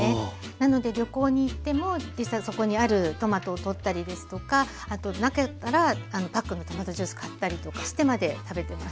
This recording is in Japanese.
なので旅行に行っても実際そこにあるトマトをとったりですとかあとなかったらパックのトマトジュース買ったりとかしてまで食べてます。